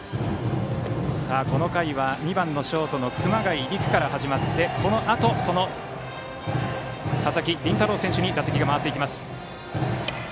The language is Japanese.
この回は２番ショートの熊谷陸から始まってこのあとその佐々木麟太郎選手に打席が回ります。